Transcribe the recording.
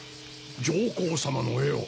上皇様の絵を。